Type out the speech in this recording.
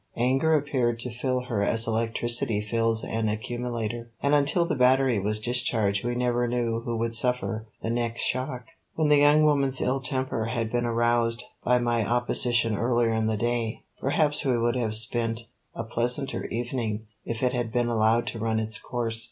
Anger appeared to fill her as electricity fills an accumulator, and until the battery was discharged we never knew who would suffer the next shock. When the young woman's ill temper had been aroused by my opposition earlier in the day, perhaps we would have spent a pleasanter evening if it had been allowed to run its course.